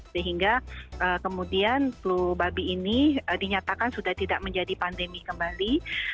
sehingga kemudian flu babi ini dinyatakan sudah tidak menjadi pandemi kembali